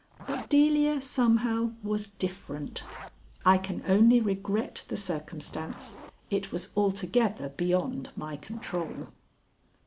But Delia somehow was different. I can only regret the circumstance it was altogether beyond my control.